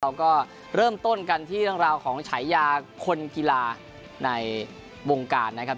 เราก็เริ่มต้นกันที่เรื่องราวของฉายาคนกีฬาในวงการนะครับ